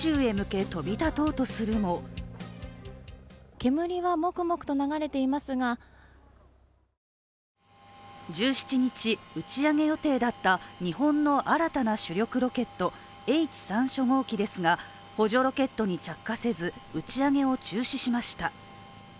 煙はもくもくと流れていますが１７日、打ち上げ予定だった日本の新たな主力ロケット・Ｈ３初号機ですが、補助ロケットに着火せず打ち上げを中止しました。